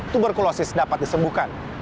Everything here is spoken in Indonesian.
tuberkulosis dapat disembuhkan